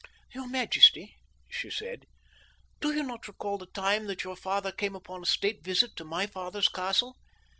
"Your majesty," she said, "do you not recall the time that your father came upon a state visit to my father's castle?